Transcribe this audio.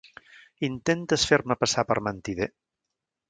Intentes fer-me passar per mentider?